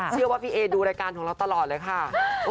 เชื่อว่าพี่เอ๋ดูรายการของเราตลอดเลยค่ะ